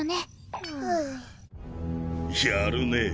やるねぇ。